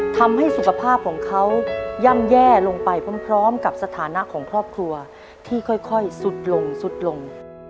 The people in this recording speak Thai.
ทำให้สุขภาพของเขาย่ำแย่ลงไปพร้อมกับสถานะของครอบครัวที่ค่อยสุดลงสุดลง